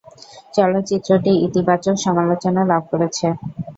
চলচ্চিত্রটি ইতিবাচক সমালোচনা লাভ করেছে।